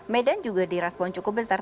medan juga di respon cukup besar